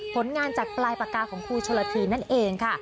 ผลงานจากปลายปากกาของครูชนละทีนั่นเองค่ะ